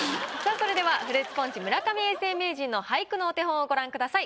それではフルーツポンチ村上永世名人の俳句のお手本をご覧ください。